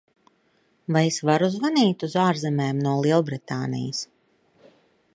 Vai es varu zvanīt uz ārzemēm no Lielbritānijas?